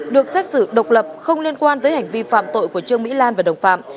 được xét xử độc lập không liên quan tới hành vi phạm tội của trương mỹ lan và đồng phạm